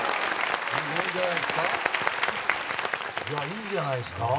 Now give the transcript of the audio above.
いいんじゃないですか？